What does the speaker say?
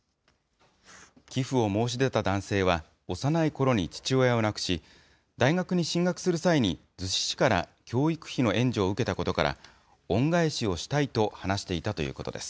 寄付を申し出た男性は幼いころに父親を亡くし、大学に進学する際に、逗子市から教育費の援助を受けたことから、恩返しをしたいと話していたということです。